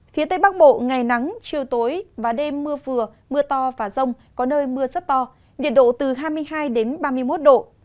phía tây bắc bộ ngày nắng chiều tối và đêm mưa vừa mưa to và rông có nơi mưa rất to nhiệt độ từ hai mươi hai ba mươi một độ